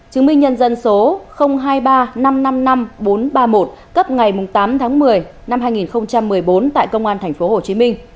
chứng minh nhân dân số hai mươi ba năm trăm năm mươi năm bốn trăm ba mươi một cấp ngày tám tháng một mươi năm hai nghìn một mươi bốn tại công an tp hcm